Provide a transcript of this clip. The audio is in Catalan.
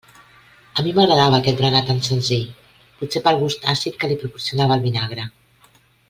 A mi m'agradava aquest berenar tan senzill, potser pel gust àcid que li proporcionava el vinagre.